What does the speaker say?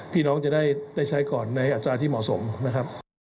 พี่น้องจะได้ใช้ก่อนในอัตราที่เหมาะสมนะครับ